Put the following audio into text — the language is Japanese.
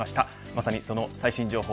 まさにその最新情報